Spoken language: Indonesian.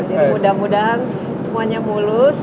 jadi mudah mudahan semuanya mulus